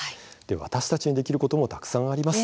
私たちにできることもたくさんあります。